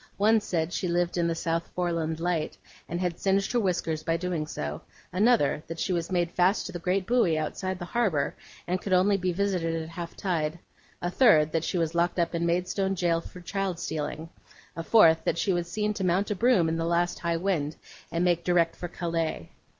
One said she lived in the South Foreland Light, and had singed her whiskers by doing so; another, that she was made fast to the great buoy outside the harbour, and could only be visited at half tide; a third, that she was locked up in Maidstone jail for child stealing; a fourth, that she was seen to mount a broom in the last high wind, and make direct for Calais.